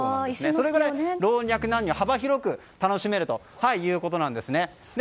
それぐらい老若男女、幅広く楽しめるということなんですね。